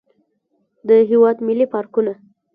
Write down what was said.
د هېواد ملي پارکونه.